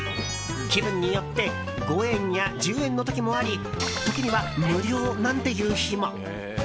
気分によって５円や１０円の時もあり時には無料なんていう日も。